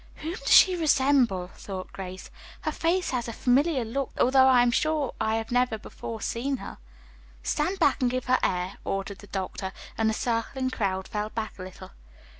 "Whom does she resemble?" thought Grace. "Her face has a familiar look, though I am sure I have never before seen her." "Stand back and give her air," ordered the doctor, and the circling crowd fell back a little.